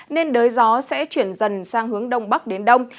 nên đới gió sẽ chuyển dần sang hướng đông bắc đến đông